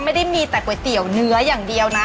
ไม่ได้มีแต่ก๋วยเตี๋ยวเนื้ออย่างเดียวนะ